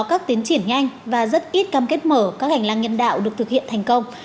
các tiến triển nhanh và rất ít cam kết mở các hành lang nhân đạo được thực hiện thành công